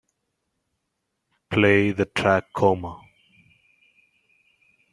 Play the track Coma